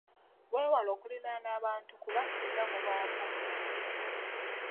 Weewale okulinaana abantu kuba singa mubaamu omulwadde.